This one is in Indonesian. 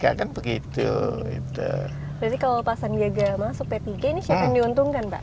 berarti kalau pak sandiaga masuk p tiga ini siapa yang diuntungkan pak